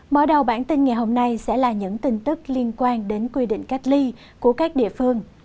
mở đầu bản tin ngày hôm nay sẽ là những tin tức liên quan đến quy định cách ly của các địa phương